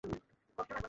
কেউ সাতে দর ধরবেন?